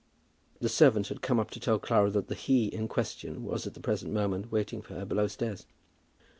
The servant had come up to tell Clara that the "he" in question was at the present moment waiting for her below stairs.